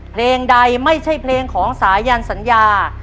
เพลงใดไม่ใช่เพลงของสายันสัญญา